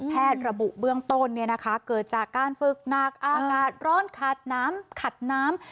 แพทย์ระบุเบื้องต้นเนี่ยนะคะเกิดจากการฝึกหนักอากาศร้อนขัดน้ำ